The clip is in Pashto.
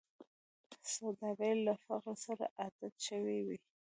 سوالګر له فقر سره عادت شوی وي